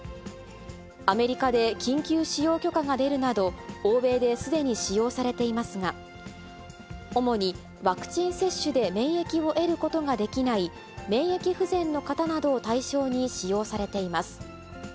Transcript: アメリカで緊急使用許可が出るなど、欧米ですでに使用されていますが、主にワクチン接種で免疫を得ることができない、免疫不全の方などを対象に使用されています。